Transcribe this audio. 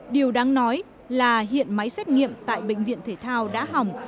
điều đáng nói là hiện máy xét nghiệm tại bệnh viện thể thao đã hỏng